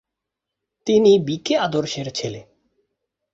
তিনি B K আদর্শের ছেলে।